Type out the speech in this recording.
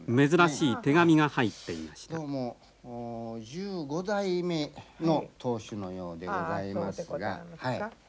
どうも１５代目の当主のようでございますが。